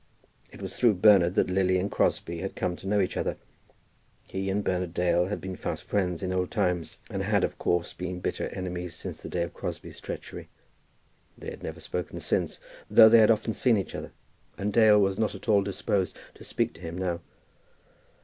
It was through Bernard that Lily and Crosbie had come to know each other. He and Bernard Dale had been fast friends in old times, and had, of course, been bitter enemies since the day of Crosbie's treachery. They had never spoken since, though they had often seen each other, and Dale was not at all disposed to speak to him now.